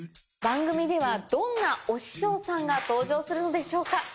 番組ではどんな推し匠さんが登場するのでしょうか。